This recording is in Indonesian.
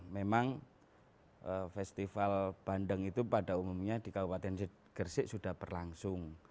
memang festival bandeng itu pada umumnya di kabupaten gresik sudah berlangsung